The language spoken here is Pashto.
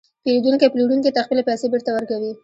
پېرودونکی پلورونکي ته خپلې پیسې بېرته ورکوي